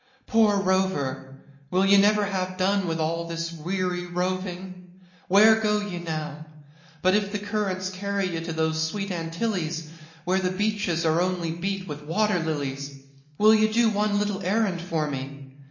"Poor rover! will ye never have done with all this weary roving? where go ye now? But if the currents carry ye to those sweet Antilles where the beaches are only beat with water lilies, will ye do one little errand for me?